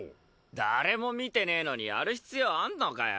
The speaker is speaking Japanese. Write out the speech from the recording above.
誰も見てねえのにやる必要あんのかよ